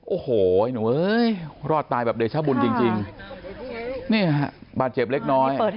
โอ้โหรอดตายแบบเดชบุญจริงบาดเจ็บเล็กน้อย